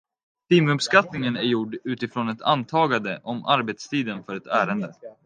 Timuppskattningen är gjord utifrån ett antagande om arbetstiden för ett ärende.